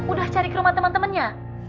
udah cari ke rumah temen temennya